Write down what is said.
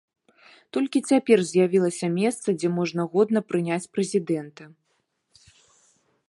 Толькі цяпер з'явілася месца, дзе можна годна прыняць прэзідэнта.